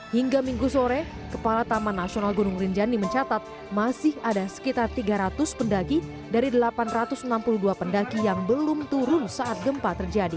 hingga minggu sore kepala taman nasional gunung rinjani mencatat masih ada sekitar tiga ratus pendagi dari delapan ratus enam puluh dua pendaki yang belum turun saat gempa terjadi